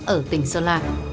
ở tỉnh sơn la